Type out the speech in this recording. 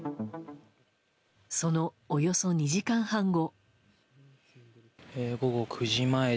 そのおよそ２時間半後。